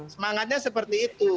semangatnya seperti itu